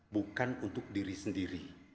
bukan untuk diri sendiri